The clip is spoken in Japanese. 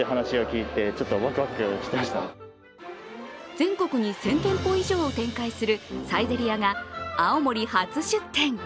全国に１０００店舗以上展開するサイゼリヤが青森初出店。